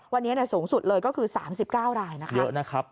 วันนี้สูงสุดเลยก็คือ๓๙รายนะคะเยอะนะครับ